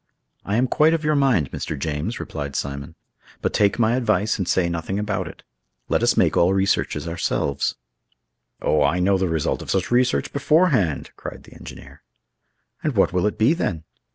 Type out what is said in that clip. "I am quite of your mind, Mr. James," replied Simon, "but take my advice, and say nothing about it; let us make all researches ourselves." "Oh, I know the result of such research beforehand!" cried the engineer. "And what will it be, then?"